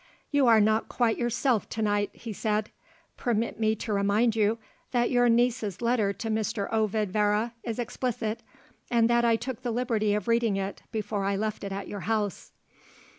"You are not quite yourself to night," he said. "Permit me to remind you that your niece's letter to Mr. Ovid Vere is explicit, and that I took the liberty of reading it before I left it at your house."